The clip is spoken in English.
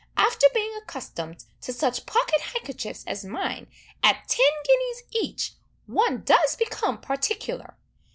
After being accustomed to such pocket handkerchiefs as mine, at ten guineas each, one does become particular.